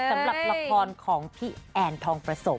สำหรับละครของพี่แอนทองประสม